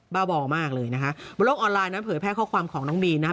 บ้าบอมากเลยนะคะบนโลกออนไลน์นั้นเผยแพร่ข้อความของน้องบีนะครับ